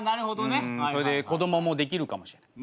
それで子供もできるかもしれない。